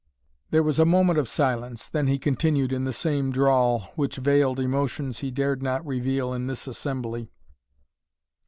There was a moment of silence, then he continued in the same drawl, which veiled emotions he dared not reveal in this assembly.